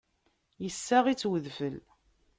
Yessaweε-itt udfel.